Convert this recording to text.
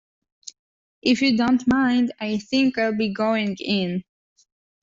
If you don't mind, I think I'll be going in.